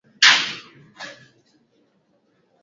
Mtu natiye khatima, fafanua kula kitu